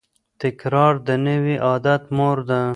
تکرار د نوي عادت مور ده.